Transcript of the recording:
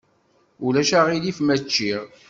Ulac aɣilif ma ččiɣ?